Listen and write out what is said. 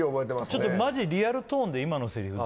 ちょっとマジリアルトーンで今のセリフ